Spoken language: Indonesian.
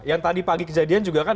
yang tadi pagi kejadian juga kan